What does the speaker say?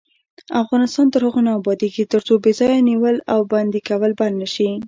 افغانستان تر هغو نه ابادیږي، ترڅو بې ځایه نیول او بندي کول بند نشي.